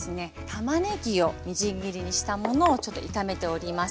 たまねぎをみじん切りにしたものを炒めております。